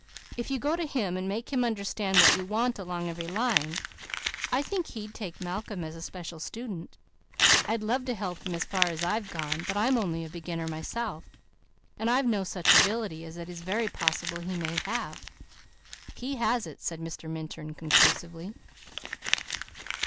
If you go to him and make him understand what you want along every line, I think he'd take Malcolm as a special student. I'd love to help him as far as I've gone, but I'm only a beginner myself, and I've no such ability as it is very possible he may have." "He has it," said Mr. Minturn conclusively.